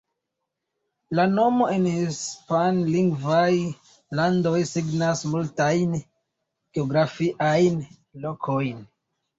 La nomo en hispanlingvaj landoj signas multajn geografiajn lokojn.